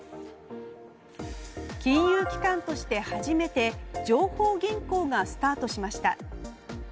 金融機関として初めて情報銀行がスタートしました。